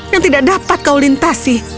yang tidak dapat kau lintasi